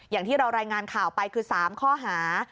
อย่างที่เรารายงานข่าวไปคือ๓ข้อหา